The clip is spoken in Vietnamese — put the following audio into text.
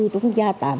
trong gia tạm